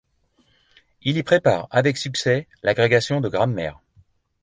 Il y prépare avec succès l'agrégation de grammaire.